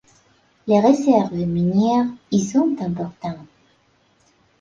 Les Réserves minières y sont importantes.